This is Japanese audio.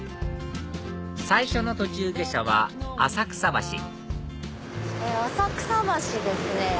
最初の途中下車は浅草橋浅草橋ですね。